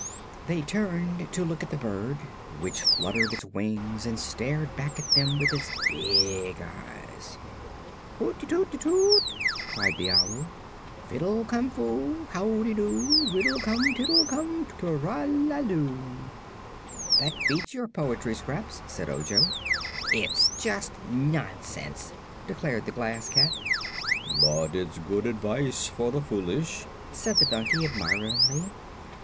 They turned to look at the bird, which fluttered its wings and stared back at them with its big eyes. "Hoot ti toot ti toot!" cried the owl. "Fiddle cum foo, Howdy do? Riddle cum, tiddle cum, Too ra la loo!" "That beats your poetry, Scraps," said Ojo. "It's just nonsense!" declared the Glass Cat. "But it's good advice for the foolish," said the donkey, admiringly.